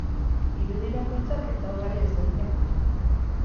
Irudi bakoitzak ezaugarri ezberdinak ditu.